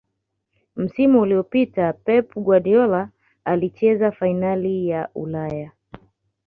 msimu uliopita pep guardiola alicheza fainali ya Ulaya